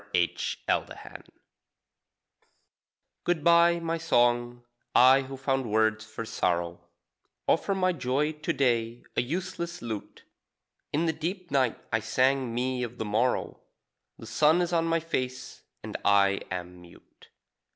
THE BROKEN LUTE Good bye, my song I, who found words for sorrow, Offer my joy to day a useless lute. In the deep night I sang me of the morrow; The sun is on my face and I am mute.